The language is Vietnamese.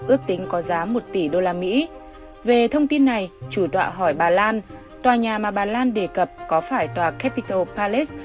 ước tính có giá một tỷ usd về thông tin này chủ tọa hỏi bà lan tòa nhà mà bà lan đề cập có phải tòa capital palace